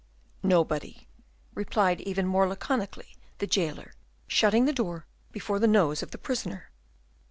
"Nobody," replied, even more laconically, the jailer, shutting the door before the nose of the prisoner.